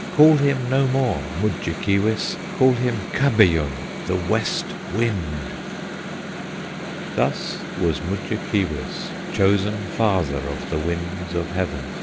Call him no more Mudjekeewis, Call him Kabeyun, the West Wind!" Thus was Mudjekeewis chosen Father of the Winds of Heaven.